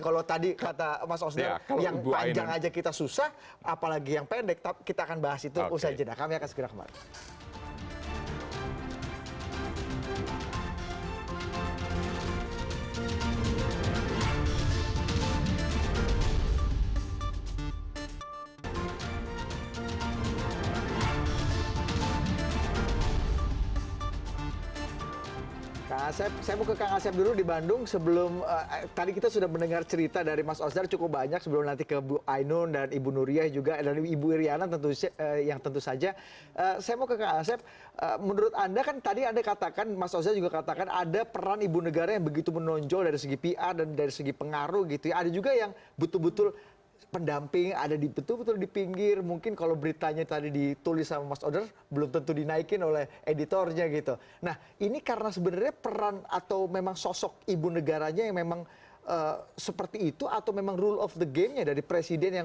kalau tadi kata mas osdar yang panjang saja kita susah apalagi yang pendek kita akan bahas itu usai jeda